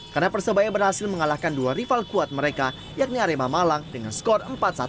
karena persebaya berhasil mengalahkan dua rival kuat mereka yakni arema malang dengan skor empat satu